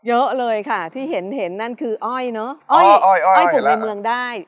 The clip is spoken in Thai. เยอะเลยค่ะที่เห็นนั่นคืออ้อยเนอะอ้อยอ้อยอ้อยอ้อยปลูกในเมืองได้